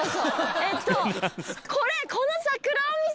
えっとこれ！